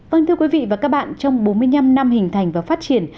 vâng thưa quý vị và các bạn trong bốn mươi năm năm hình thành và phát triển